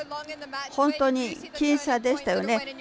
本当に僅差でしたね。